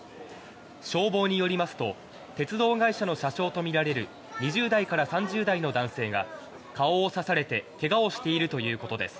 消防によりますと鉄道会社の車掌とみられる２０代から３０代の男性が顔を刺されてけがをしているということです。